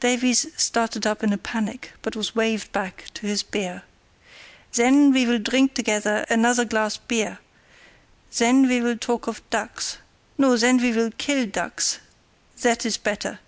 (Davies started up in a panic, but was waved back to his beer.) "Then we will drink together another glass beer; then we will talk of ducks—no, then we will kill ducks—that is better.